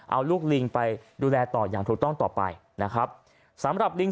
เอาลูกลิงไปดูแลต่ออย่างถูกต้องต่อไปนะครับสำหรับลิง